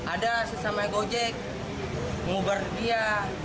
ada sesama gojek ngubar dia